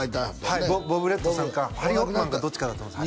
はいボブ・ブレットさんかハリー・ホップマンかどっちかだと思います